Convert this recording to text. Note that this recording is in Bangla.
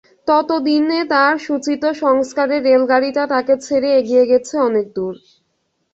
তত দিনে তাঁর সূচিত সংস্কারের রেলগাড়িটা তাঁকে ছেড়ে এগিয়ে গেছে অনেক দূর।